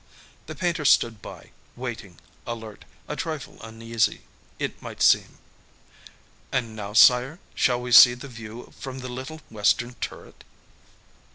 The painter stood by, waiting, alert, a trifle uneasy, it might seem. "And now, sire, shall we see the view from the little western turret?"